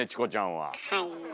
はい。